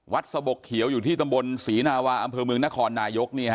สะบกเขียวอยู่ที่ตำบลศรีนาวาอำเภอเมืองนครนายก